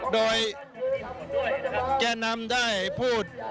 โดยแก่นำได้พูด